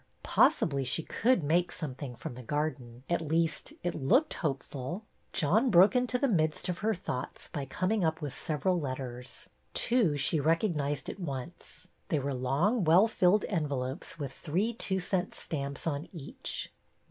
Possibly she could make some thing from the garden. At least, it looked hopeful. John broke into the midst of her thoughts by coming up with several letters. Two she recog nized at once. They were long, well filled en velopes with three two cent stamps on each.